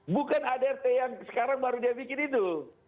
bukan adrt yang sekarang baru dia bikin itu